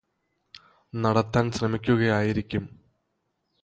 നടത്താന് ശ്രമിക്കുകയായിരിക്കും